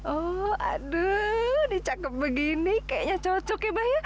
oh aduh dicakap begini kayaknya cocok ya mbak ya